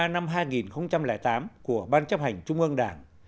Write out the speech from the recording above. năm hai nghìn tám của ban chấp hành trung ương đảng